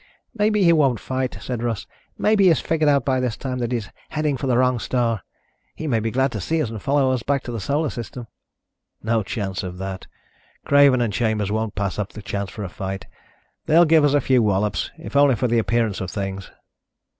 "Maybe he won't fight," said Russ. "Maybe he's figured out by this time that he's heading for the wrong star. He may be glad to see us and follow us back to the Solar System." "No chance of that. Craven and Chambers won't pass up a chance for a fight. They'll give us a few wallops if only for the appearance of things."